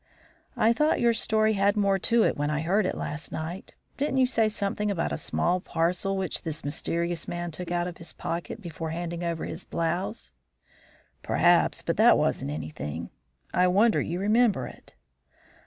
"I thought your story had more to it when I heard it last. Didn't you say something about a small parcel which this mysterious man took out of his pocket before handing over his blouse?" "Perhaps; but that wasn't anything. I wonder you remember it."